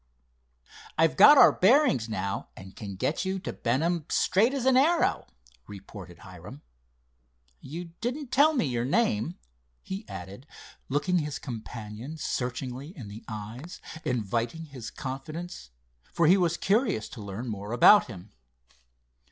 "I've got our bearings now, and can get you to Benham straight as an arrow," reported Hiram. "You didn't tell me your name," he added, looking his companion searchingly in the eyes, inviting his confidence, for he was curious to learn more about him.